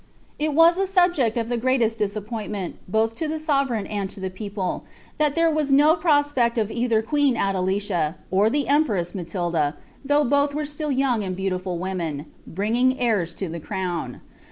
It was a subject of the greatest disappointment, both to the sovereign and the people, that there was no prospect of either the queen Adelicia, or the empress Matilda (though both were still young and beautiful women) bringing heirs to the crown.